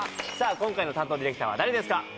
今回の担当ディレクターは誰ですか？